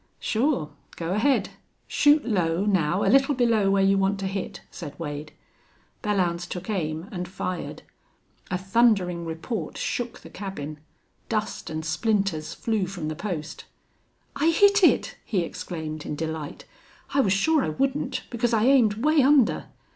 "Sure. Go ahead. Shoot low, now, a little below where you want to hit," said Wade. Belllounds took aim and fired. A thundering report shook the cabin. Dust and splinters flew from the post. "I hit it!" he exclaimed, in delight. "I was sure I wouldn't, because I aimed 'way under."